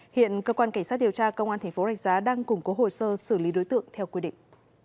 hiện cơ quan cảnh sát điều tra công an thành phố rạch giá đang củng cố hồ sơ xử lý đối tượng theo quy định